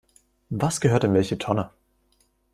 Was gehört in welche Tonne?